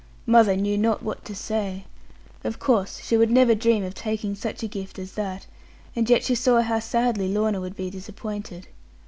Mother knew not what to say. Of course she would never dream of taking such a gift as that; and yet she saw how sadly Lorna would be disappointed.